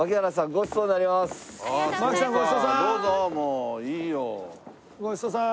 ごちそうさん！